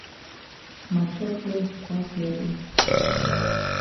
Ma chop plenti pass ya own.